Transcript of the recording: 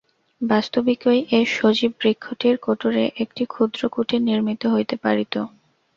বাস্তবিকই এ সজীব বৃক্ষটির কোটরে একটি ক্ষুদ্র কুটীর নির্মিত হইতে পারিত।